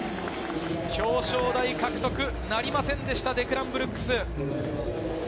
表彰台獲得なりませんでした、デクラン・ブルックス。